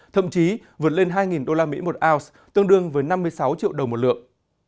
từ năm hai nghìn hai mươi giá vàng đã tăng lên hai usd một oz tương đương năm mươi sáu triệu đồng một lượng